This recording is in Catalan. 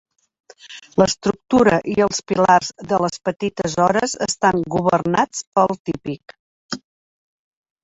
L'estructura i els pilars de les Petites Hores estan governats pel Típic.